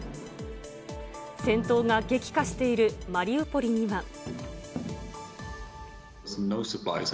戦闘が激化しているマリウポリには。